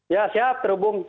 ya siap terhubung